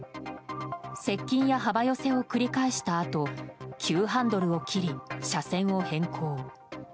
接近や幅寄せを繰り返したあと急ハンドルを切り車線を変更。